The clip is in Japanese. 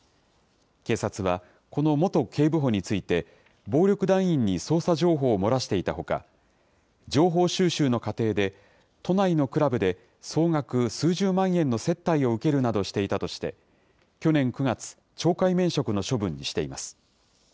警察は、この元警部補について、暴力団員に捜査情報を漏らしていたほか、情報収集の過程で、都内のクラブで総額数十万円の接待を受けるなどしていたとして、去年９月、懲戒免職の処分にしています。